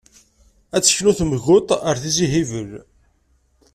Ad teknu Temguṭ ar Tizi Hibel.